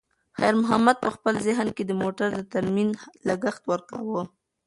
خیر محمد په خپل ذهن کې د موټر د ترمیم لګښت ورکاوه.